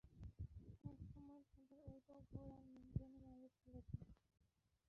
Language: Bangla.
এক সময় তাদের উট ও ঘোড়া নিয়ন্ত্রণের বাইরে চলে যায়।